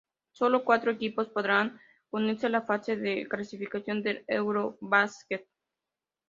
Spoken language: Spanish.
Solo cuatro equipos podrán unirse a la fase de clasificación del EuroBasket.